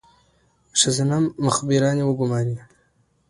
ښځینه مخبرانې وګوماري.